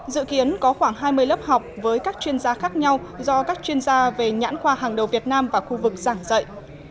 dự kiến có khoảng hai mươi lớp học với các chuyên gia khác nhau do các chuyên gia về nhãn khoa hàng đầu việt nam và khu vực giảng dạy